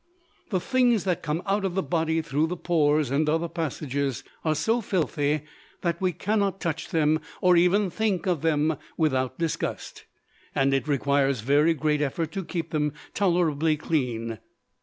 The things that come out of the body through the pores and other passages are so filthy that we cannot touch them or even think of them without disgust; and it requires very great effort to keep them tolerably clean.